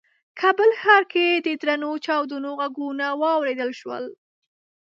کابل ښار کې د درنو چاودنو غږونه واورېدل شول.